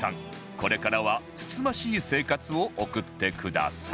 これからはつつましい生活を送ってください